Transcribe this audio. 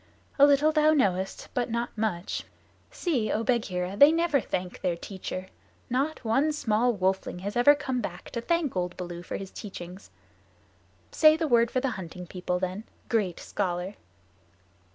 "A little thou knowest, but not much. See, O Bagheera, they never thank their teacher. Not one small wolfling has ever come back to thank old Baloo for his teachings. Say the word for the Hunting People, then great scholar."